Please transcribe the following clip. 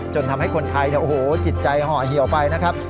จนทำให้คนไทยเนี่ยโอ้โหจิตใจห่อเหี่ยวไปนะครับ